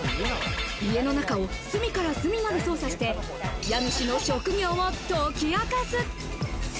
家の中を隅から隅まで捜査して、家主の職業を解き明かす。